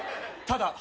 ただ？